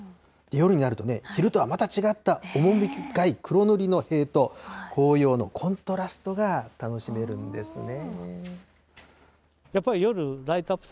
夜になると、昼とはまた違った趣深い黒塗りの塀と、紅葉のコントラストが楽しめるんですね。